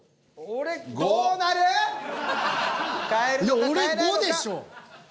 いや俺５でしょ。